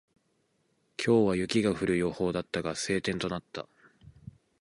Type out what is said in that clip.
今日は雪が降る予報だったが、晴天となった。